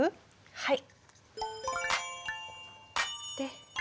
はい。